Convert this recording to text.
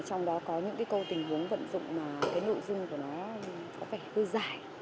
trong đó có những câu tình huống vận dụng mà cái nội dung của nó có vẻ hơi dài